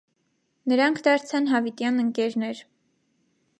Նրանք դարձան հավիտյան ընկերներ։